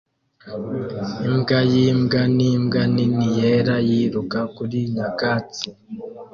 Imbwa yimbwa nimbwa nini yera yiruka kuri nyakatsi